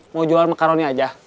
mau jual makaroni aja